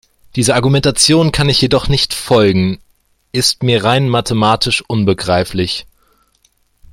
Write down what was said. Dieser Argumentation kann ich jedoch nicht folgenist mir rein mathematisch unbegreiflich.